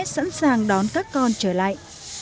sẵn sàng đón các con trở lại